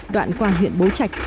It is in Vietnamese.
đoạn qua huyện bố trạch